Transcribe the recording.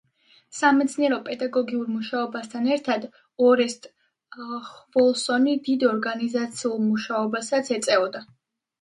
სამეცნიერო-პედაგოგიურ მუშაობასთან ერთად ორესტ ხვოლსონი დიდ ორგანიზაციულ მუშაობასაც ეწეოდა.